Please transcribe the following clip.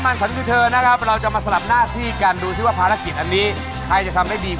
มันลากมึงลงก็ได้แต่เมื่อมันถอดซ่อยมึงได้